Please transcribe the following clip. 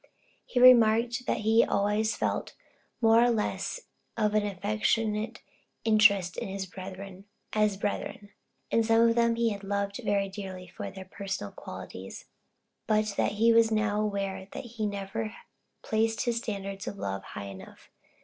He remarked that he had always felt more or less of an affectionate interest in his brethren, as brethren and some of them he had loved very dearly for their personal qualities; but that he was now aware he had never placed his standard of love high enough.